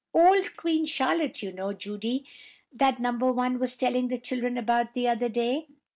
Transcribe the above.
"Old Queen Charlotte, you know, Judy, that No. 1 was telling the children about the other day."